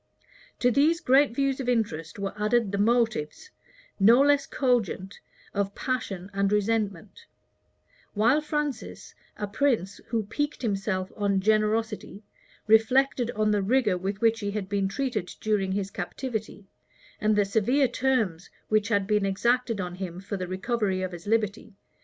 To these great views of interest were added the motives, no less cogent, of passion and resentment; while Francis, a prince who piqued himself on generosity, reflected on the rigor with which he had been treated during his captivity, and the severe terms which had been exacted of him for the recovery of his liberty.